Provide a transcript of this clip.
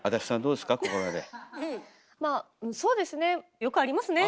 うんそうですね。